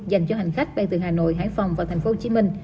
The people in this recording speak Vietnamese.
dành cho hành khách bay từ hà nội hải phòng vào thành phố hồ chí minh